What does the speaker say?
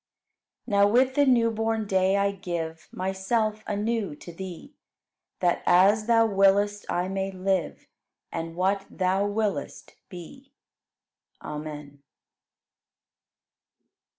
15. Now with the new born day I give Myself anew to Thee, That as Thou willest, I may live, And what Thou willest, be. Amen.